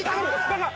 バカ！